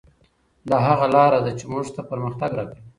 دا هغه لاره ده چي موږ ته پرمختګ راکوي.